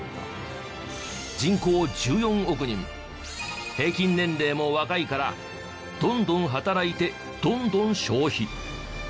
人口１４億人平均年齢も若いからどんどん働いてどんどん消費。